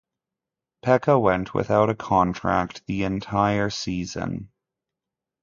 Peca went without a contract the entire season.